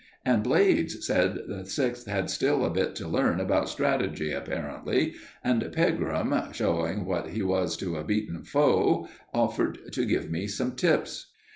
And Blades said the Sixth had still a bit to learn about strategy, apparently, and Pegram showing what he was to a beaten foe offered to give me some tips!